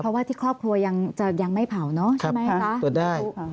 เพราะว่าที่ครอบครัวยังไม่เผาเนอะใช่ไหมคะตรวจได้